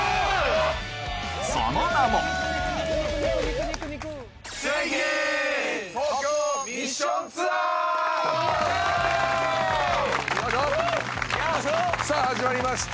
その名もさあ始まりました。